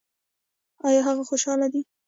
ایا هغه خوشحاله دی؟